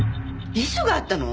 遺書があったの？